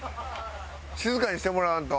静かにしてもらわんと。